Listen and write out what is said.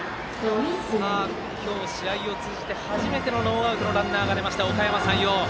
今日試合を通じて初めてのノーアウトのランナーが出ましたおかやま山陽。